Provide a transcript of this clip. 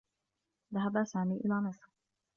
ذهب سامي إلى مصر.